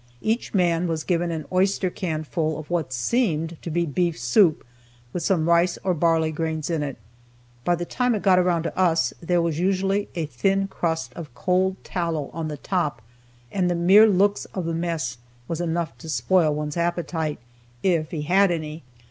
Each man was given an oyster can full of what seemed to be beef soup, with some rice or barley grains in it. By the time it got around to us there was usually a thin crust of cold tallow on the top, and the mere looks of the mess was enough to spoil one's appetite, if he had any.